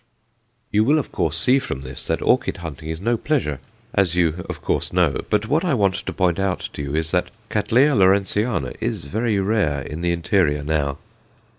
You will, of course, see from this that orchid hunting is no pleasure, as you of course know, but what I want to point out to you is that Cattleya Lawrenceana is very rare in the interior now.